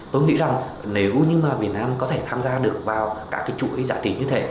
tôi nghĩ rằng nếu việt nam có thể tham gia được vào các chuỗi giá trị như thế